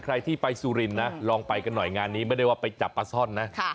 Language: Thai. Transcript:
ใครที่ไปสุรินทร์นะลองไปกันหน่อยงานนี้ไม่ได้ว่าไปจับปลาซ่อนนะ